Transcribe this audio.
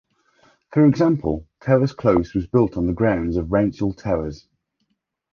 For example, Towers Close was built on the grounds of Rouncil Towers.